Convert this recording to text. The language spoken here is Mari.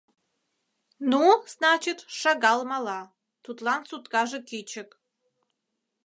— Ну, значит, шагал мала, тудлан суткаже кӱчык.